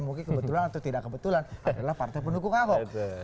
mungkin kebetulan atau tidak kebetulan adalah partai pendukung ahok